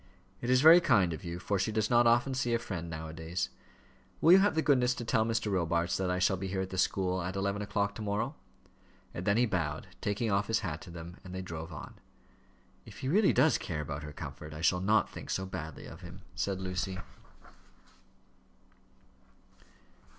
"It is very kind of you, for she does not often see a friend, now a days. Will you have the goodness to tell Mr. Robarts that I shall be here at the school, at eleven o'clock to morrow?" And then he bowed, taking off his hat to them, and they drove on. "If he really does care about her comfort, I shall not think so badly of him," said Lucy.